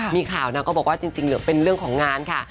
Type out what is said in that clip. มีข่าวนางก็บอกว่าจริงเหลือเป็นเรื่องของงานค่ะ